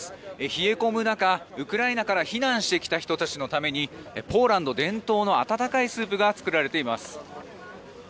冷え込む中ウクライナから避難してきた人たちのためにポーランド伝統の温かいスープが作られています。